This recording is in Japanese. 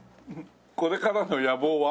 これからの野望は？